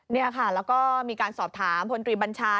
แล้วก็มีการสอบถามพลตรีบัญชา